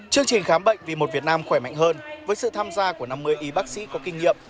chương trình khám bệnh vì một việt nam khỏe mạnh hơn với sự tham gia của năm mươi y bác sĩ có kinh nghiệm